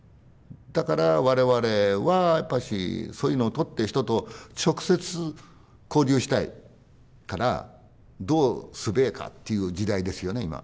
だから我々はやっぱしそういうのを取って人と直接交流したいからどうすべえかっていう時代ですよね